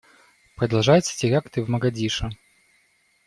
Продолжаются теракты в Могадишо.